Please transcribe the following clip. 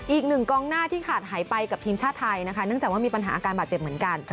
อีกหนึ่งกองหน้าที่ขาดหายไปกับทีมชาติไทยนะคะเนื่องจากว่ามีปัญหาอาการบาดเจ็บเหมือนกัน